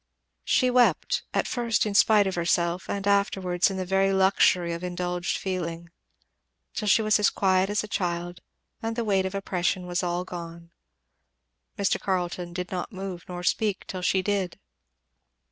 She wept, at first in spite of herself and afterwards in the very luxury of indulged feeling; till she was as quiet as a child, and the weight of oppression was all gone. Mr. Carleton did not move, nor speak, till she did.